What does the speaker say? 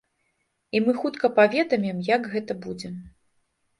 І мы хутка паведамім, як гэта будзе.